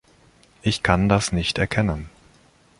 Ich kann das nicht erkennen.